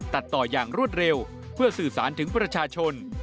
ตัดต่ออย่างรวดเร็วเพื่อสื่อสารถึงประชาชน